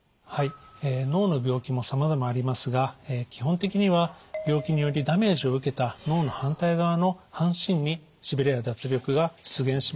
脳の病気もさまざまありますが基本的には病気によりダメージを受けた脳の反対側の半身にしびれや脱力が出現します。